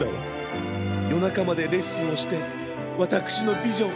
よなかまでレッスンをしてわたくしのビジョン